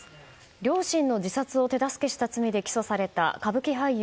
両親の自殺を手助けした罪で起訴された歌舞伎俳優